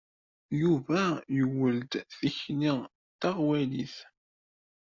Yuba yuwey-d tikli d taɣwalit.